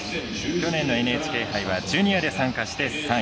去年のＮＨＫ杯はジュニアで参加して３位。